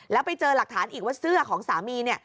แล้วไปเจอหลักฐานอีกว่าเสื้อของสามีเนี่ย